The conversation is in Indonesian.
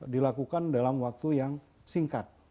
dilakukan dalam waktu yang singkat